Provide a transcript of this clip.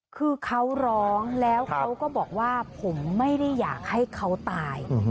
คือเขาร้องแล้วเขาก็บอกว่าผมไม่ได้อยากให้เขาตาย